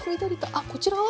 あっこちらは？